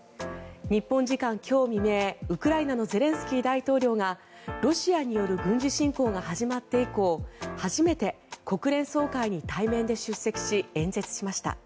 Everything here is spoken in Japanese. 日本時間今日未明、ウクライナのゼレンスキー大統領がロシアによる軍事侵攻が始まって以降初めて国連総会に対面で出席し演説しました。